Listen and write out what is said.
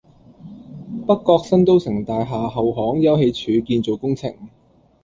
北角新都城大廈後巷休憩處建造工程